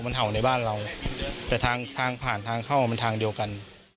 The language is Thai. มันเห่าในบ้านเราแต่ทางทางผ่านทางเข้ามันทางเดียวกัน